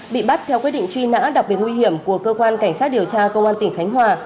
bị bắt theo quyết định truy nã đặc biệt nguy hiểm của cơ quan cảnh sát điều tra công an tỉnh khánh hòa